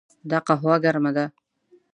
دا قهوه ګرمه ده.